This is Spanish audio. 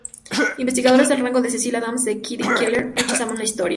Investigadores del rango de Cecil Adams a Kitty Kelley rechazan la historia.